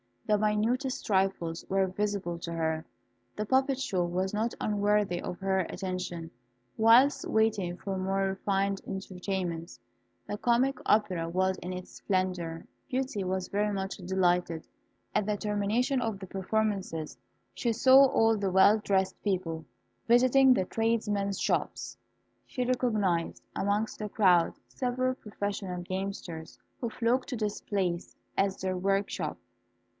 The minutest trifles were visible to her. The puppet show was not unworthy of her attention, whilst waiting for more refined entertainments. The comic opera was in its splendour. Beauty was very much delighted. At the termination of the performances, she saw all the well dressed people visiting the tradesmen's shops. She recognised amongst the crowd several professional gamesters, who flocked to this place as their workshop.